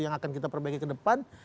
yang akan kita perbaiki ke depan